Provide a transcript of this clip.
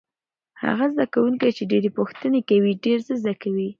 هغه زده کوونکی چې ډېرې پوښتنې کوي ډېر څه زده کوي.